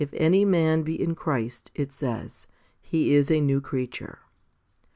any man be in Christ, it says, he is a new creature.